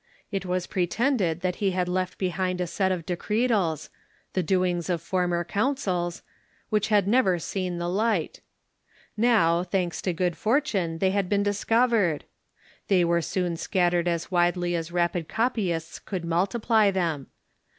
It was pretended^ that lie had left behind a 8 114 THE MEDIEVAL CHURCH set of Decretals — the doings of former councils — wbich. had never seen the light. Now, thanks to good fortune, they had been discovered. They were soon scattered as widely as rapid copyists could multiply them.